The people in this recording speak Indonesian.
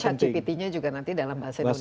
jadi chat gpt nya juga nanti dalam bahasa indonesia